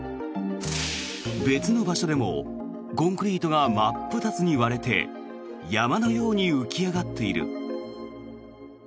別の場所でもコンクリートが真っ二つに割れて山のように浮き上がっている。